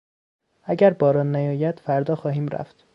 اگر باران نیاید فردا خواهیم رفت.